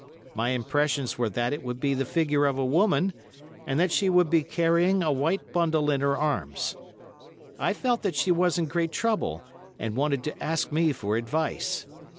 My impressions were that it would be the figure of a woman, and that she would be carrying a white bundle in her arms. I felt that she was in great trouble and wanted to ask me for advice.